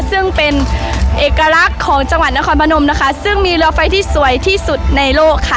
ซึ่งเป็นเอกลักษณ์ของจังหวัดนครพนมนะคะซึ่งมีเรือไฟที่สวยที่สุดในโลกค่ะ